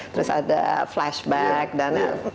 terus ada flashback dan lain lain